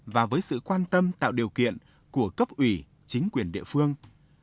và với sự quan tâm tạo điều kiện của cấp ủy chính quyền địa phương